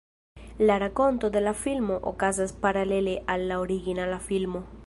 La rakonto de la filmo okazas paralele al la originala filmo.